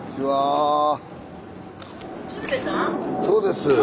そうです。